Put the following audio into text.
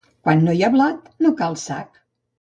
Quan no hi ha blat, no cal sac.